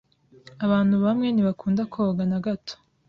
Abantu bamwe ntibakunda koga na gato.